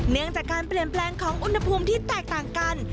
เนื่องจากการเปลี่ยนแปลงของอุณหภูมิที่แตกต่างกัน